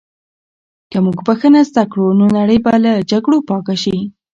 که موږ بښنه زده کړو، نو نړۍ به له جګړو پاکه شي.